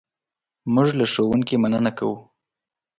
موږ له ښوونکي مننه کوو.